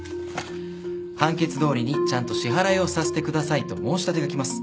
「判決どおりにちゃんと支払いをさせてください」と申し立てが来ます。